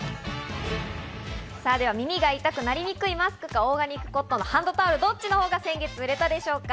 では耳が痛くなりにくいマスクかオーガニックコットンハンドタオル、どっちのほうが先月、多く売れたでしょうか？